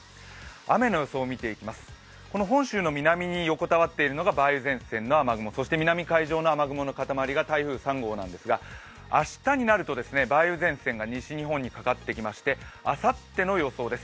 雨の予想を見ていきます、本州の南に横たわっているのが梅雨前線の雨雲、そして南海上の雨雲の塊が台風３号なんですが、明日になると梅雨前線が西日本にかかってきてあさっての予想です。